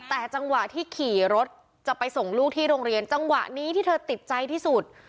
แต่จังหวะที่ขี่รถจะไปส่งลูกที่โรงเรียนจังหวะนี้ที่เธอติดใจที่สุด